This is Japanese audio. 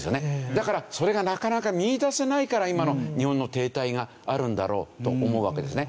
だからそれがなかなか見いだせないから今の日本の停滞があるんだろうと思うわけですね。